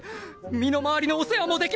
身の回りのお世話もできます！